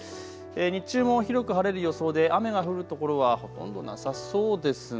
日中も広く晴れる予想で雨が降るところはほとんどなさそうですね。